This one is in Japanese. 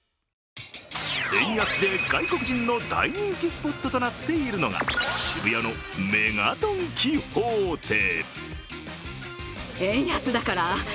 円安で外国人の大人気スポットとなっているのが渋谷のＭＥＧＡドン・キホーテ。